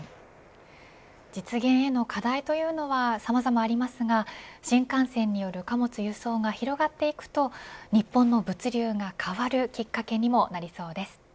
実現への課題というのはさまざまありますが新幹線による貨物輸送が広がっていくと日本の物流が変わるきっかけにもなりそうです。